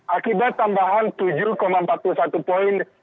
akibat tambahan tujuh empat puluh satu poin